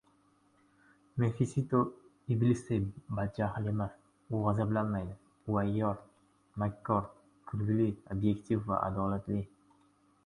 Mefisto iblisday badjaxl emas, u gʻazablanmaydi, u ayyor, makkor, kulgili, obyektiv va adolatli.